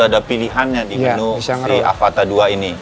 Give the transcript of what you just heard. ada pilihannya di menu si avata ii ini